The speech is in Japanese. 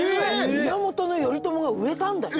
源頼朝が植えたんだよ。